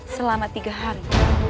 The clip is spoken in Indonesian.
selama tiga hari